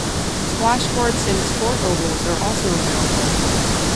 Squash courts and sports ovals are also available.